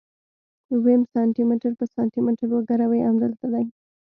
ويم سانتي متر په سانتي متر وګروئ امدلته دي.